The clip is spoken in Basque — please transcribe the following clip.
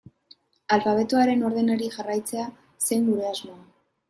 Alfabetoaren ordenari jarraitzea zen gure asmoa.